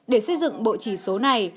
để xây dựng bộ chỉ số này